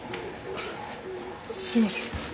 すいません。